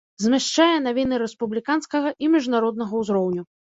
Змяшчае навіны рэспубліканскага і міжнароднага ўзроўню.